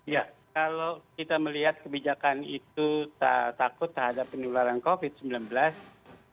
ya kalau kita melihat kebijakan itu takut terhadap penularan covid sembilan belas